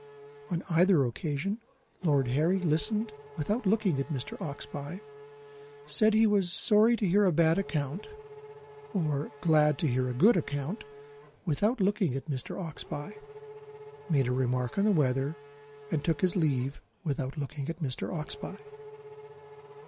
On either occasion, Lord Harry listened without looking at Mr. Oxbye said he was sorry to hear a bad account or glad to hear a good account, without looking at Mr. Oxbye made a remark on the weather, and took his leave, without looking at Mr. Oxbye.